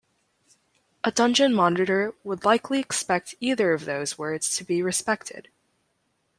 A dungeon monitor would likely expect either of those words to be respected.